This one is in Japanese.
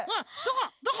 どこ？